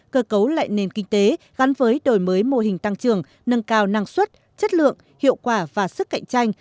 cơ cấu lại nền kinh tế gắn với đổi mới mô hình tăng trưởng nâng cao năng suất chất lượng hiệu quả và sức cạnh tranh